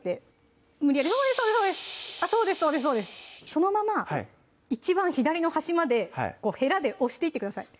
そのまま一番左の端までヘラで押していってください